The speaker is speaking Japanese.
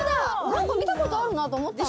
何か見たことあるなと思った。